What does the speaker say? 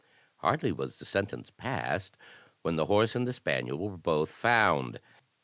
Hardly was the sentence passed when the horse and the spaniel were both found.